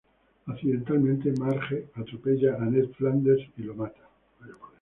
Accidentalmente, Marge atropella a Ned Flanders y lo mata.